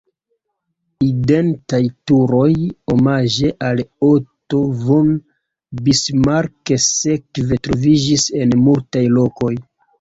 Identaj turoj omaĝe al Otto von Bismarck sekve troviĝis en multaj lokoj.